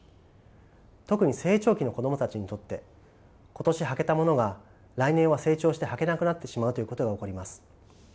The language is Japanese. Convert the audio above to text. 特に成長期の子供たちにとって今年履けたものが来年は成長して履けなくなってしまうということが起こります。